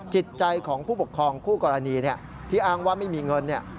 จิตใจของผู้ปกครองคู่กรณีที่อ้างว่าไม่มีเงิน